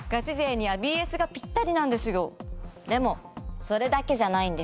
だからこそでもそれだけじゃないんです。